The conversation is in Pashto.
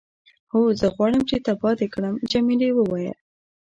هو، زه غواړم چې تباه دې کړم. جميلې وويل:.